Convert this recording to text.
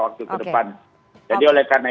waktu ke depan jadi oleh karena